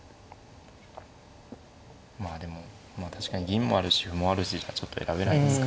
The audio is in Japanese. まあでも確かに銀もあるし歩もあるしじゃちょっと選べないですかね。